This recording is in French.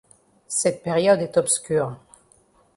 Cette période est obscure.